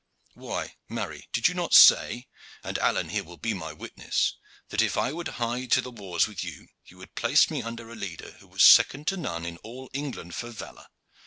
"Why, marry, did you not say, and Alleyne here will be my witness, that, if I would hie to the wars with you, you would place me under a leader who was second to none in all England for valor?